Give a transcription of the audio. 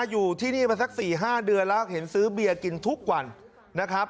อยู่ที่นี่มาสัก๔๕เดือนแล้วเห็นซื้อเบียร์กินทุกวันนะครับ